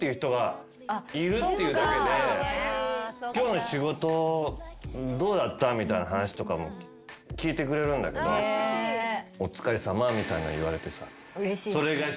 １５年ぶり。みたいな話とかも聞いてくれるんだけど「お疲れさま」みたいなの言われてさ。